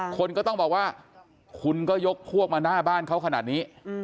คนก็ต้องบอกว่าคุณก็ยกพวกมาหน้าบ้านเขาขนาดนี้